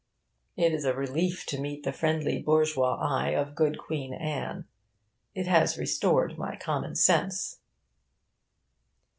It is a relief to meet the friendly bourgeois eye of good Queen Anne. It has restored my common sense.